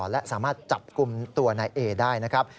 และสามารถจับกลุ่มตัวนายเอได้นะครับ